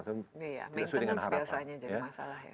maintainance biasanya jadi masalah